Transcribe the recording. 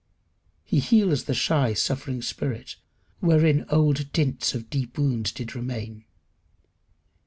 He heals the shy suffering spirit, "wherein old dints of deep wounds did remain."